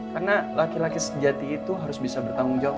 karena laki laki sejati itu harus bisa bertanggung jawab